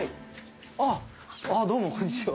あっどうもこんにちは。